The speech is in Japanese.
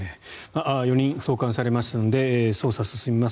４人送還されましたので捜査が進みます。